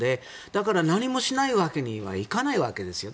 だから何もしないわけにはいかないわけですよ。